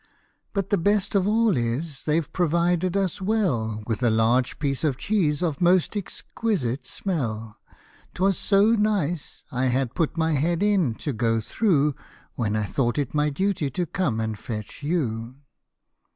" But the best of all is, they've provided us well, With a large piece of cheese of most exquisite smell ; 'Twas so nice, I had put my head in to go through, When I thought it my duty to come and fetch you."